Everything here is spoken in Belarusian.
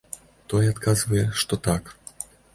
Той адказвае, што так.